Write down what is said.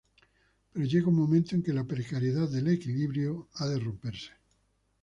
Pero llega un momento en que la precariedad del equilibrio ha de romperse.